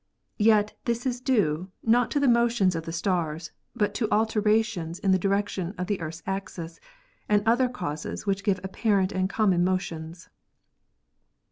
Yet this is due, not to motions of the stars, but to alterations in the direction of the Earth's axis and other causes which give apparent and common motions.